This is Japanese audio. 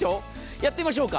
やってみましょうか。